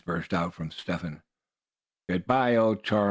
burst out from Step Hen. "Good bye, old Charlie!"